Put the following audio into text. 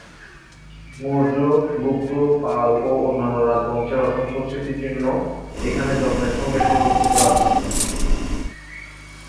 মৌর্য, গুপ্ত, পাল ও অন্যান্য রাজবংশের অসংখ্য স্মৃতিচিহ্ন এখানে যত্নের সঙ্গে সংরক্ষিত আছে।